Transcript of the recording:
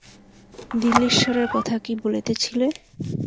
দিল্লীশ্বরের কথা কী বলিতেছিলে?